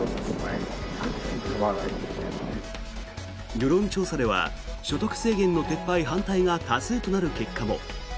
世論調査では所得制限の撤廃反対が多数となる結果も。